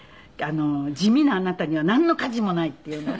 「地味なあなたにはなんの価値もない」って言うの。